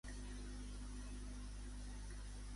I Turquia, a qui havia de deixar anar?